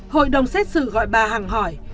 hội đồng xét xử gọi bà hằng hỏi